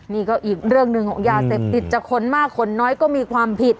นี่ก็อีกเรื่องหนึ่งของยาเสพติดจะขนมากขนน้อยก็มีความผิด